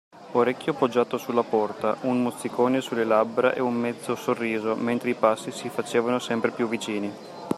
Orecchio poggiato sulla porta, un mozzicone sulle labbra e un mezzo sorriso, mentre i passi si facevano sempre più vicini.